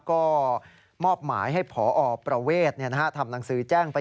ก็มอบหมายให้พอประเวททำหนังสือแจ้งไป